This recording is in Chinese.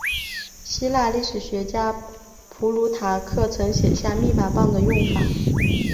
希腊历史学家普鲁塔克曾写下密码棒的用法。